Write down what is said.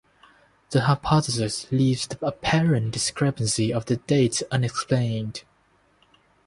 The hypothesis leaves the apparent discrepancy of their dates unexplained.